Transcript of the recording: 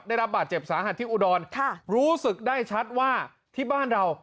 ได้รับบาดเจ็บสาหัสที่อุดรค่ะรู้สึกได้ชัดว่าที่บ้านเรา